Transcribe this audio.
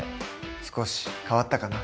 少し変わったかな？